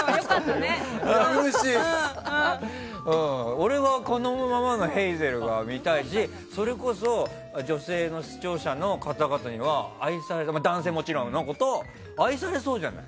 俺はこのままのヘイゼルが見たいし、それこそ女性の視聴者の方々には男性はもちろんのこと愛されそうじゃない？